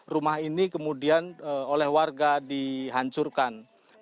rumah ini kemudian oleh warga dihancurkan